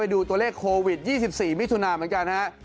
ดูตัวเลขโควิด๒๔มิถุนาเหมือนกันฮะ